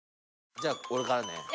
じゃあ俺からね。